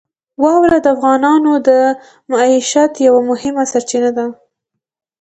واوره د افغانانو د معیشت یوه مهمه سرچینه ده.